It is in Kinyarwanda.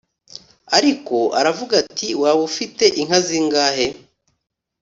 Ariko aravuga ati : “waba ufite inka zingahe